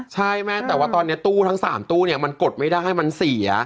ใช่แม่แต่ว่าตอนนี้ตู้ทั้ง๓ตู้เนี่ยมันกดไม่ได้มันเสีย